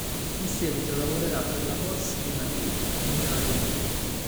In seguito lavorerà per "La Voz di Madrid", di Radio Madrid.